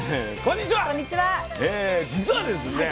実はですね